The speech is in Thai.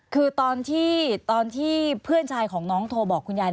คือตอนที่เพื่อนชายของน้องโทรบอกคุณยาย